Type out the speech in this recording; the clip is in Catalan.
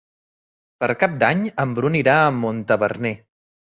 Per Cap d'Any en Bru irà a Montaverner.